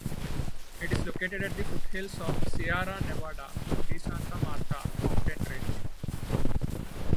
It is located at the foothills of Sierra Nevada de Santa Marta mountain range.